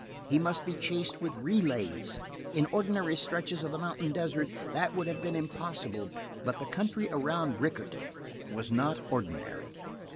He must be chased with relays. In ordinary stretches of the mountain desert that would have been impossible, but the country around Rickett was not ordinary.